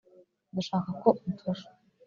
ndashaka ko umfasha